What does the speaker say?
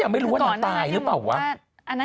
ไม่รู้ว่านางตายหรือเปล่าวะ